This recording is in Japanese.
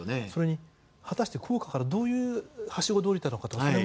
それに果たして高架からどういうはしごで降りたか。